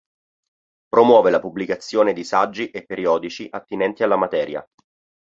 Promuove la pubblicazione di saggi e periodici attinenti alla materia.